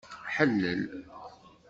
Ḥellel.